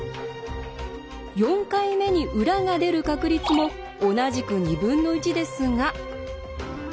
４回目に裏が出る確率も同じく２分の１ですが。